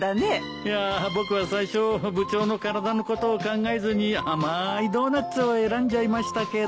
いや僕は最初部長の体のことを考えずに甘いドーナツを選んじゃいましたけど。